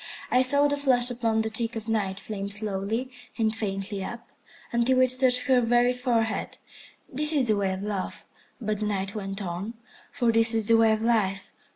I saw the flush upon the cheek of Night flame slowly and faintly up, until it touched her very forehead. This is the way of Love. But the Night went on, for this is the way of Life.